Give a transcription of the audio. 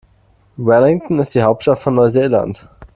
Wellington ist die Hauptstadt von Neuseeland.